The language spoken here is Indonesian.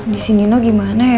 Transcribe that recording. disini gimana ya